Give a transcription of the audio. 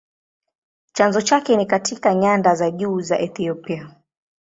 Chanzo chake ni katika nyanda za juu za Ethiopia.